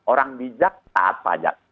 orang bijak saat pajak